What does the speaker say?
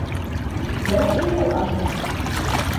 Бына һин ул аждаһа!